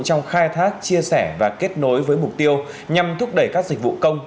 trong khai thác chia sẻ và kết nối với mục tiêu nhằm thúc đẩy các dịch vụ công